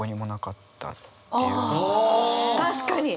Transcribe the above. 確かに！